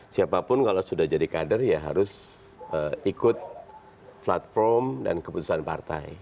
siapapun kalau sudah jadi kader ya harus ikut platform dan keputusan partai